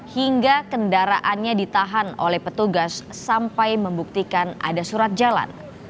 hingga kendaraannya ditahan oleh petugas sampai membuktikan ada surat jalan